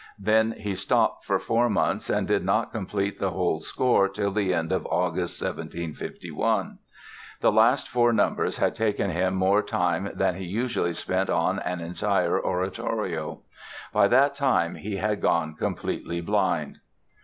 Then he stopped for four months and did not complete the whole score till the end of August, 1751. The last four numbers had taken him more time than he usually spent on an entire oratorio. By that time he had gone completely blind.